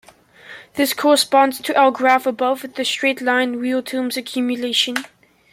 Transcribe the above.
This corresponds to our graph above with the straight line real-terms accumulation.